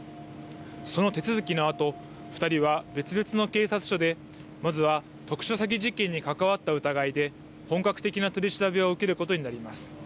その手続きのあと、２人は別々の警察署でまずは特殊詐欺事件に関わった疑いで、本格的な取り調べを受けることになります。